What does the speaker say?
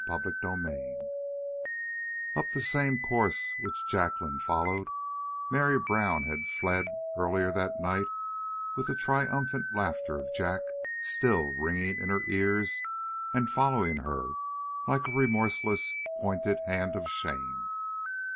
CHAPTER 35 Up the same course which Jacqueline followed, Mary Brown had fled earlier that night with the triumphant laughter of Jack still ringing in her ears and following her like a remorseless, pointed hand of shame.